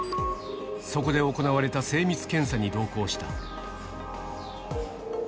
そこで行われた精密検査に同行した。